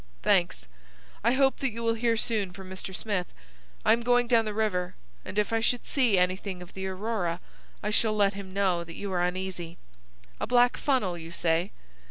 "Thanks. I hope that you will hear soon from Mr. Smith. I am going down the river; and if I should see anything of the Aurora I shall let him know that you are uneasy. A black funnel, you say?"